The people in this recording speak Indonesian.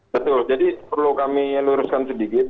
betul jadi perlu kami luruskan sedikit